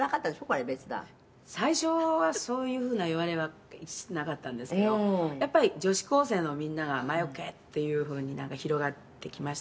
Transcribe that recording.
これ別段」「最初はそういう風ないわれはなかったんですけどやっぱり女子高生のみんなが魔よけっていう風になんか広がってきまして」